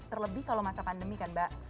terlebih kalau masa pandemi kan mbak